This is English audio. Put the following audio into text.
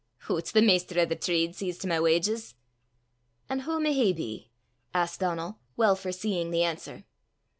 "Hoots, the maister o' the trade sees to my wauges!" "An' wha may he be?" asked Donal, well foreseeing the answer.